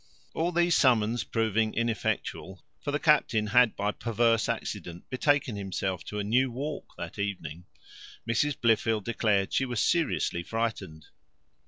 All these summons proving ineffectual (for the captain had, by perverse accident, betaken himself to a new walk that evening), Mrs Blifil declared she was seriously frightened.